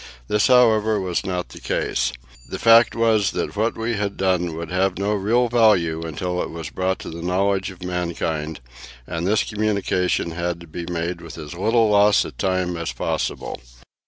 This, however, was not the case. The fact was that what we had done would have no real value until it was brought to the knowledge of mankind, and this communication had to be made with as little loss of time as possible.